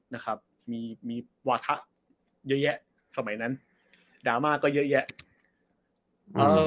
นะครับมีมีวาถะเยอะแยะสมัยนั้นดราม่าก็เยอะแยะเออ